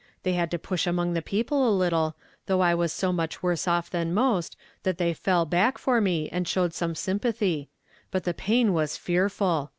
They had to push among the people a little though I was so much w„rse off than most, that they fell back for me and showed some sympathy • but the pain was fearful